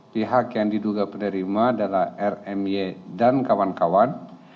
pihak yang diduga penerima adalah rmy dan kawan kawan